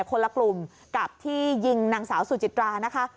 คนละกลุ่มกับที่ยิงนางสาวสุจิตรานะคะ